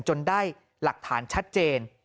จนได้หลักฐานชัดเจน